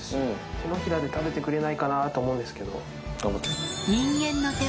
手のひらで食べてくれないかなと思うんですけど。